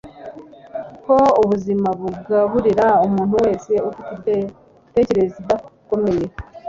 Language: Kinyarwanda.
ko ubuzima bugaburira umuntu wese ufite imitekerereze idakomeye